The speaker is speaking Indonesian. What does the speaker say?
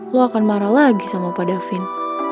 lo akan marah lagi sama pak davin